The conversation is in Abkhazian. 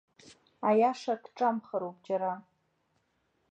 Аиаша кҿамхароуп џьара.